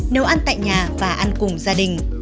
nấu ăn tại nhà và ăn cùng gia đình